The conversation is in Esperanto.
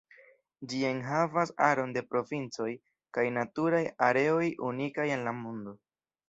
Ĝi enhavas aron de provincoj kaj naturaj areoj unikaj en la mondo.